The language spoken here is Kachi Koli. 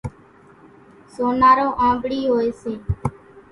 سونارو آنٻڙِي هوئيَ سي۔